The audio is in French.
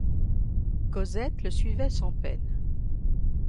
Cosette le suivait sans peine.